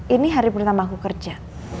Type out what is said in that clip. ini hari pertama aku kerja